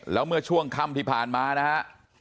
แล้วเมื่อช่วงค่ำที่ผ่านมานะฮะ